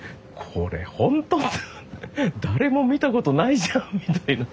誰も見たことないじゃんみたいな。